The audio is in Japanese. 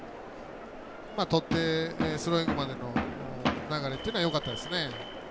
とって、スローイングまでの流れというのはよかったですね。